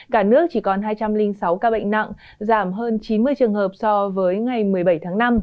cả nước chỉ còn hai trăm linh sáu ca bệnh nặng giảm hơn chín mươi trường hợp so với ngày một mươi bảy tháng năm